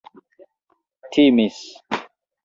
timis